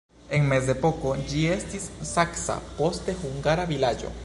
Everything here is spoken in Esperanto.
En mezepoko ĝi estis saksa, poste hungara vilaĝo.